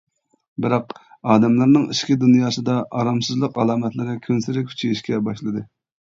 بىراق، ئادەملەرنىڭ ئىچكى دۇنياسىدا ئارامسىزلىق ئالامەتلىرى كۈنسېرى كۈچىيىشكە باشلىدى.